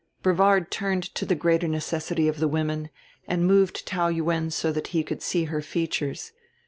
Brevard turned to the greater necessity of the women, and moved Taou Yuen so that he could see her features.